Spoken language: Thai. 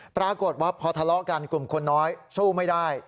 ปรากฏว่าพอทะเลาะกันกลุ่มคนน้อยสู้ไม่ได้